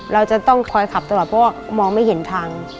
เราจะต้องคอยขับตลอดเพราะว่ามองไม่เห็นทาง